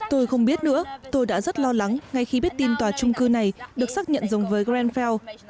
tôi không biết nữa tôi đã rất lo lắng ngay khi biết tin tòa chung cư này được xác nhận giống với grenfell